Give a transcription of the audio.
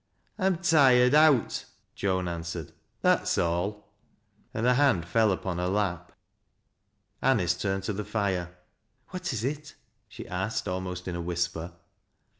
I'm tired out," Joan answered. " That's all," and her hand fell upon her lap. Anice turned to the fire. " Wtat is it ?" she asked, aliaost in a whisper.